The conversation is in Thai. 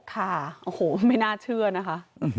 ค่ะโอ้โหไม่น่าเชื่อนะคะ